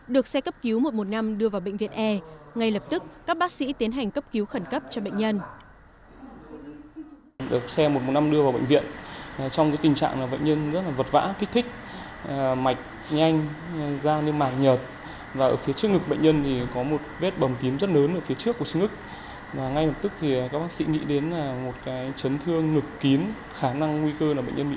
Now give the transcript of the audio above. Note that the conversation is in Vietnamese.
được xe cấp cứu một trăm một mươi năm đưa vào bệnh viện e ngay lập tức các bác sĩ tiến hành cấp cứu khẩn cấp cho bệnh nhân